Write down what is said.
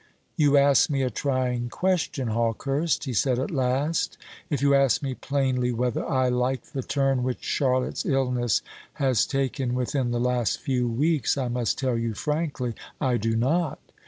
"You ask me a trying question, Hawkehurst," he said at last. "If you ask me plainly whether I like the turn which Charlotte's illness has taken within the last few weeks, I must tell you frankly, I do not.